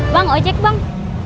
bang ojek bang